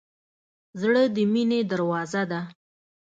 زړه د مینې دروازه ده.